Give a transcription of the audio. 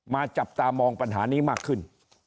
จับตามองปัญหานี้มากขึ้น